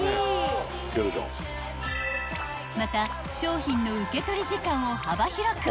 ［また商品の受取時間を幅広く］